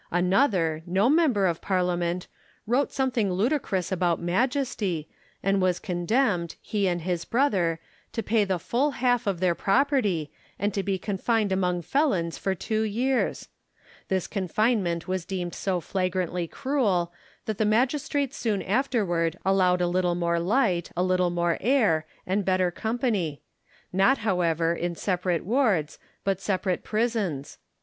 Another, no member of Parliament, wrote some thing ludicrous about Majesty, and was condemned, he and his brother, to pay the full half of their property, and to be confined among felons for two years ! This confinement was deemed so fl'agrantly cruel, that the magistrates soon afterward allowed a little more light, a little more air, and better company ; not, however, in separate wards, but separate prisons.